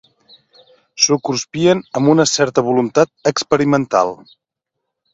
S'ho cruspien amb una certa voluntat experimental.